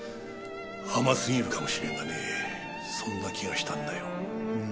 甘すぎるかもしれんがねそんな気がしたんだよ。